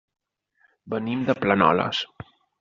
Venim de Planoles.